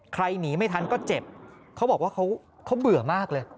หนีไม่ทันก็เจ็บเขาบอกว่าเขาเบื่อมากเลย